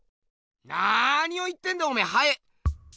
なにを言ってんだおめぇハエ？